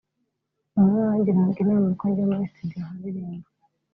bamwe bangiraga inama ko najya muri studio nkaririmba